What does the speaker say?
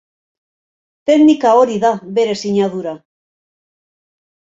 Teknika hori da bere sinadura.